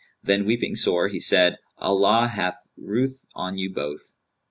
Then weeping sore he said, 'Allah have ruth on you both!